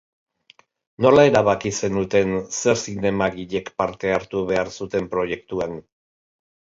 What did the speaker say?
Nola erabaki zenuten zer zinemagilek parte hartu behar zuten proiektuan?